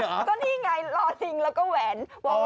ก็นี่ไงรอซิงแล้วก็แหวน